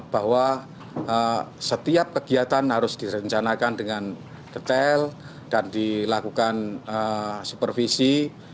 bahwa setiap kegiatan harus direncanakan dengan detail dan dilakukan supervisi